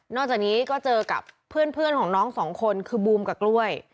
จากนี้ก็เจอกับเพื่อนของน้องสองคนคือบูมกับกล้วย